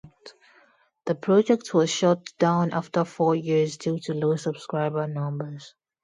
The project was shut down after four years due to low subscriber numbers.